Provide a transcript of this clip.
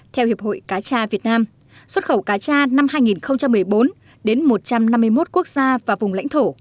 theo hiệp hội cá tra việt nam xuất khẩu cá tra năm hai nghìn một mươi bốn đến một trăm năm mươi một quốc gia và vùng lãnh thổ